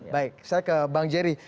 baik saya ke bang jerry